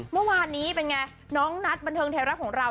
เมื่อวานนี้เป็นไงน้องนัทบันเทิงไทยรัฐของเรา